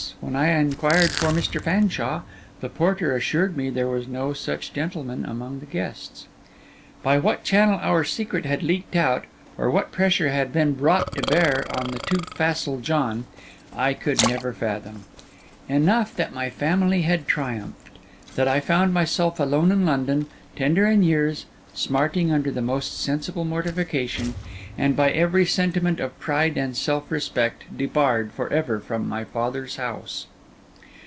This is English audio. when I inquired for Mr. Fanshawe, the porter assured me there was no such gentleman among the guests. By what channel our secret had leaked out, or what pressure had been brought to bear on the too facile John, I could never fathom. Enough that my family had triumphed; that I found myself alone in London, tender in years, smarting under the most sensible mortification, and by every sentiment of pride and self respect debarred for ever from my father's house.